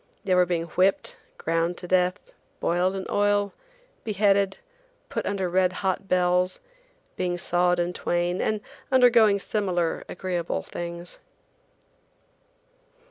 They were being whipped, ground to death, boiled in oil, beheaded, put under red hot bells, being sawed in twain, and undergoing similar agreeable things.